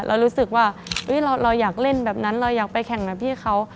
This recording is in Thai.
เรารู้สึกว่าเราอยากเล่นแบบนั้นเราอยากไปแข่งแบบพี่เขา